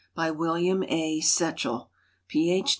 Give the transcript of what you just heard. By William A. Setchell, Ph.